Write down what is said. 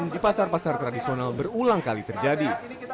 di pasar pasar tradisional berulang kali terjadi